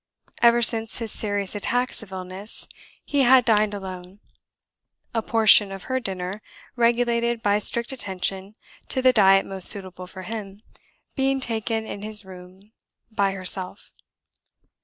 Ever since his serious attacks of illness, he had dined alone; a portion of her dinner, regulated by strict attention to the diet most suitable for him, being taken into his room by herself.